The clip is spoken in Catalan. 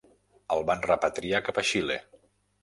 El van repatriar cap a Xile.